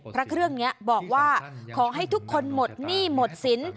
พระเครื่องนี้บอกว่าขอให้ทุกคนหมดหนี้หมดสิน